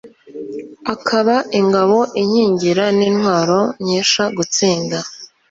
akaba ingabo inkingira n’intwaro nkesha gutsinda